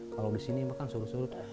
kalau di sini bahkan surut surut